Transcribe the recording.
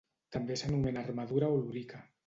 També s'anomena armadura o lorica.